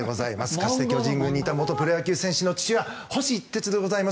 かつて巨人軍にいたプロ野球選手の父が星一徹でございます。